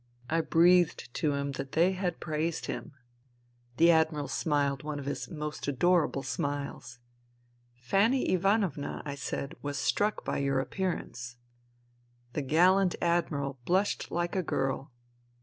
I breathed to him that they had praised him. The Admiral smiled one of his most adorable smiles. " Fanny Ivanovna," I said, " was struck by yom* appearance." The gallant Admiral blushed like a girl.